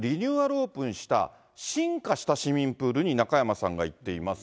オープンした進化した市民プールに中山さんが行っています。